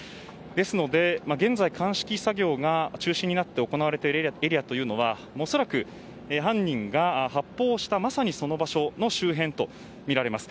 ですので、現在鑑識作業が中心になって行われているエリアというのは恐らく犯人が発砲したまさにその場所の周辺です。